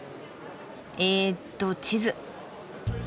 えっと地図。